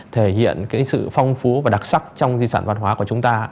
thể hiện sự phong phú và đặc sắc trong di sản văn hóa của chúng ta